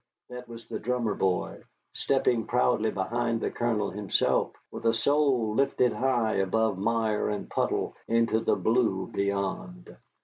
That was the drummer boy, stepping proudly behind the Colonel himself, with a soul lifted high above mire and puddle into the blue above.